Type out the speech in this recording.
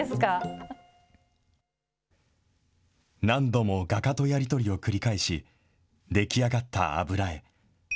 何度も画家とやり取りを繰り返し、出来上がった油絵。